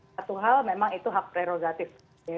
satu hal memang itu hak prerogatif